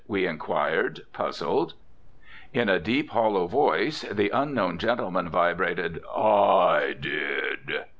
we inquired, puzzled. In a deep, hollow voice the unknown gentleman vibrated, "I did."